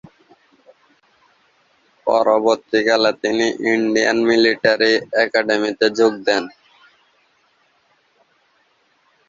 পরবর্তীকালে তিনি Indian military একাডেমিতে যোগ দেন।